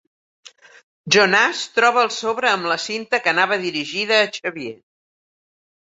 Jonàs troba el sobre amb la cinta que anava dirigida a Xavier.